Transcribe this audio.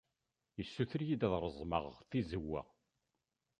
Yessuter-iyi-d ad reẓmeɣ tizewwa.